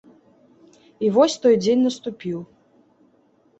І вось той дзень наступіў.